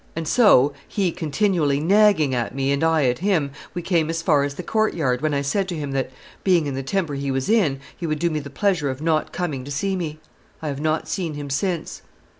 And so, he continually knagging at me and I at him, we came as far as the court yard, when I said to him that, being in the temper he was in, he would do me the pleasure of not coming to see me. I have not seen him since.